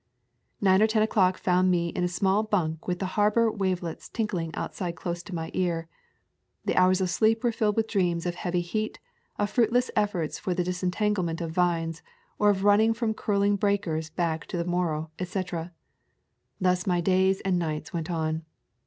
Nine or ten o'clock found me in a small bunk with the harbor wavelets tinkling outside close to my ear. The hours of sleep were filled with dreams of heavy heat, of fruitless efforts for the disentanglement of vines, or of running from curling breakers back to the Morro, etc. Thus my days and nights went on.